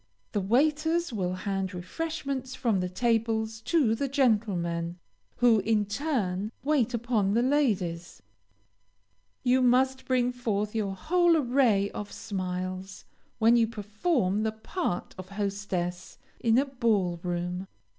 The waiters will hand refreshment from the tables to the gentlemen, who, in turn, wait upon the ladies. You must bring forth your whole array of smiles, when you perform the part of hostess in a ball room.